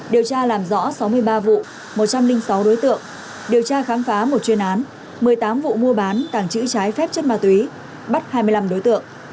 điều tra làm rõ sáu mươi ba vụ một trăm linh sáu đối tượng điều tra khám phá một chuyên án một mươi tám vụ mua bán tàng trữ trái phép chất ma túy bắt hai mươi năm đối tượng